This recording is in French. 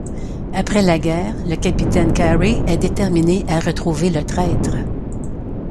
Après la guerre, le Capitaine Carey est déterminé à retrouver le traitre.